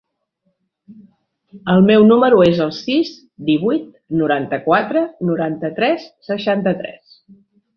El meu número es el sis, divuit, noranta-quatre, noranta-tres, seixanta-tres.